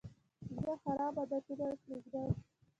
زه خراب عادتونه پرېږدم.